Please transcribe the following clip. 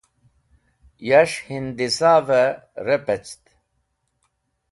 Yas̃h hindisavẽ repct.